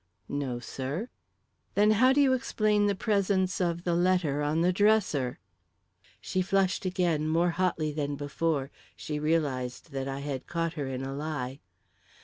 "No, sir." "Then how do you explain the presence of the letter on the dresser?" She flushed again, more hotly than before; she realised that I had caught her in a lie.